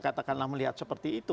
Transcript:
katakanlah melihat seperti itu